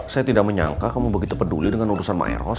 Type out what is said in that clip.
saya tidak menyangka kamu begitu peduli dengan urusan maeros